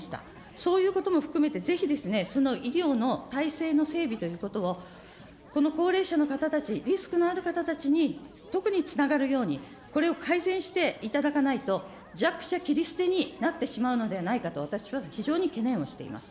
そういうことも含めて、ぜひその医療の体制の整備ということを、この高齢者の方たち、リスクのある方たちに特につながるように、これを改善していただかないと、弱者切り捨てになってしまうのではないかと、私は非常に懸念をしています。